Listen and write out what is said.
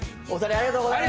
ありがとうございます。